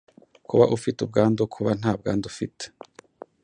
kuba ufite ubwandu, kuba nta bwandu ufite